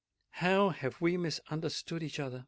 how have we misunderstood each other!"